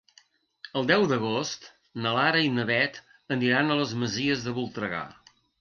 El deu d'agost na Lara i na Beth aniran a les Masies de Voltregà.